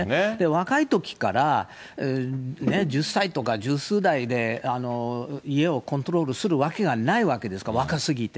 若いときから１０歳とか十数代で家をコントロールするわけがないですから、若すぎて。